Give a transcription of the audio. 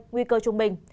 nguy cơ trung bình